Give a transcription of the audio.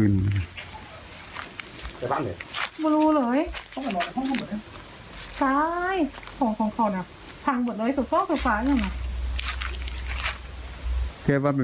ในข้าวของพี่